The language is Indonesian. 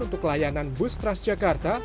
untuk layanan bus transjakarta